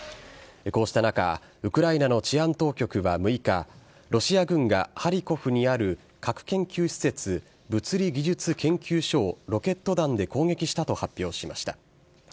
こうした中、ウクライナの治安当局は６日、ロシア軍がハリコフにある核研究施設、物理技術研究所をロケット弾で攻撃したと発表しました。